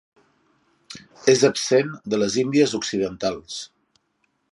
És absent de les Índies Occidentals.